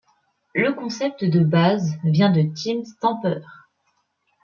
Le concept de base vient de Tim Stamper.